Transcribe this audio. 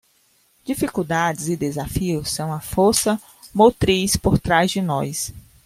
Dificuldades e desafios são a força motriz por trás de nós